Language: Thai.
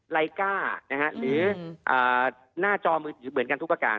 ลายก้าหรือหน้าจอเหมือนกันทุกประการ